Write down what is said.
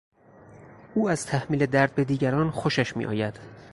او از تحمیل درد به دیگران خوشش میآید.